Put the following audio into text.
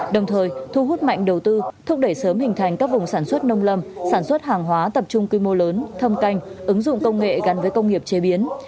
đồng thời thu hút mạnh đầu tư thúc đẩy sớm hình thành các vùng sản xuất nông lâm sản xuất hàng hóa tập trung quy mô lớn thâm canh ứng dụng công nghệ gắn với công nghiệp chế biến